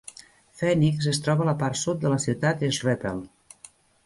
Phoenix es troba a la part sud de la ciutat Schroeppel.